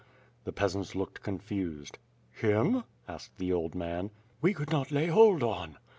The peasants looked confused. "Him?" asked the old man. "We could not lay hold on."